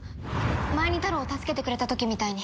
前にタロウを助けてくれた時みたいに。